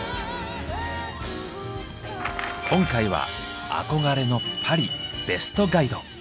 今回は憧れのパリベストガイド。